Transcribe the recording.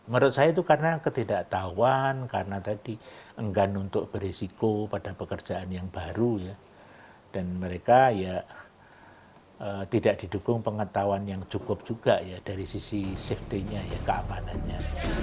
menurut saya itu karena ketidaktahuan karena tadi enggan untuk beresiko pada pekerjaan yang baru ya dan mereka ya tidak didukung pengetahuan yang cukup juga ya dari sisi safety nya ya keamanannya